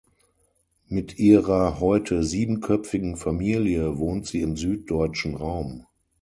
Mit ihrer heute siebenköpfigen Familie wohnt sie im süddeutschen Raum.